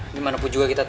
dimana pun juga kita jual